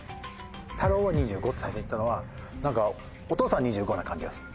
太朗は「２５」って最初言ったのが何かお父さん「２５」な感じがする。